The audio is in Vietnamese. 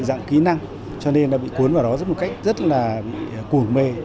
dạy dạng kỹ năng cho nên đã bị cuốn vào đó rất một cách rất là củ mê